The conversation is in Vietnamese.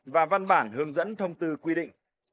và văn bản hướng dẫn thông tư quy định